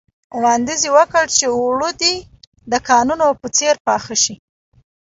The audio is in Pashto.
وړانديز وکړ چې اوړه دې د کاکونو په څېر پاخه شي.